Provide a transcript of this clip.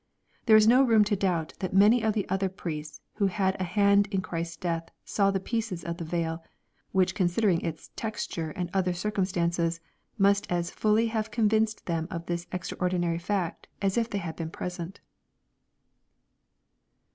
There is no room to doubt that many of the other priests who had a hand in Christ's death saw the pieces of the veil, which considering its texture and other cir cumstances, must as fully have convinced them of this extraordi nary fact, as if they had been present."